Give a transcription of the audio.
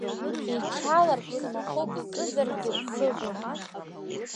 Иҽаларԥс махәык икызаргьы дцыӷым…